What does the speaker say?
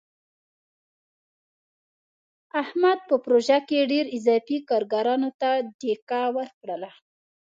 احمد په پروژه کې ډېرو اضافي کارګرانو ته ډیکه ورکړله.